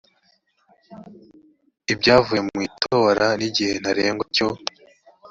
ibyavuye mu itora n igihe ntarengwa cyo